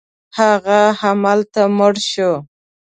هغه همالته مړ شو.